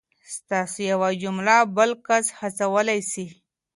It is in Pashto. ستاسو یوه جمله بل کس هڅولی سي.